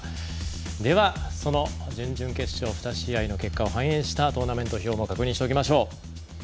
では、その準々決勝２試合の結果を反映したトーナメント表も確認しておきましょう。